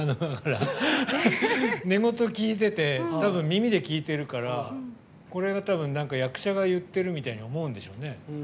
寝言聞いてて、耳で聞いてるからこれが、多分役者が言ってるみたいに思うんでしょうね。